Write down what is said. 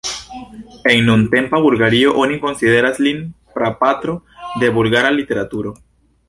En nuntempa Bulgario oni konsideras lin prapatro de bulgara literaturo.